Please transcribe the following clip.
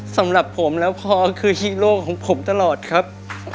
สำหรับผมแล้วพอคือฮีโร่ของผมตลอดครับ